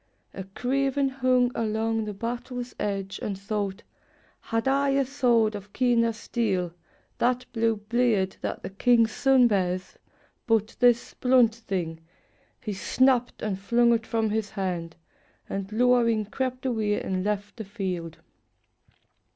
A craven hung along the battle's edge. And thought: "Had I a sword of keener steel — That blue blade that the king's son bears, — but this Blunt thing!" He snapped and flung it from his hand, And lowering crept away and left the field.